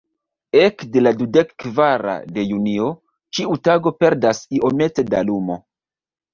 Ekde la dudekkvara de junio, ĉiu tago perdas iomete da lumo.